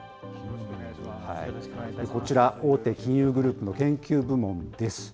こちら、大手金融グループの研究部門です。